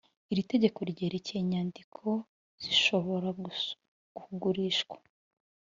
Iri tegeko ryerekeye inyandiko zishobora kugurishwa